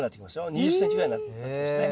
２０ｃｍぐらいになってきますね。